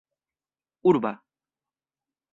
urba